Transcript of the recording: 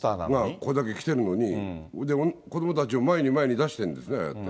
これだけ来てるのに、子どもたちを前に前に出してるんですね、ああやって。